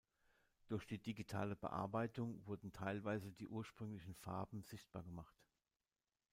Durch die digitale Bearbeitung wurden teilweise die ursprünglichen Farben sichtbar gemacht.